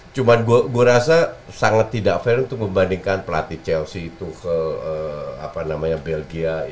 cuma gue rasa sangat tidak fair untuk membandingkan pelatih chelsea itu ke belgia